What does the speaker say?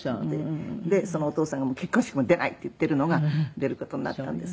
でそのお父さんが「結婚式も出ない」って言っているのが出る事になったんです